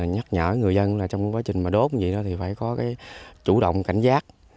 nhắc nhở người dân trong quá trình đốt thì phải có chủ động cảnh giác